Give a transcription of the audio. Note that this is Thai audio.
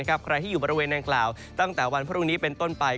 ใครที่อยู่บริเวณนางกล่าวตั้งแต่วันพรุ่งนี้เป็นต้นไป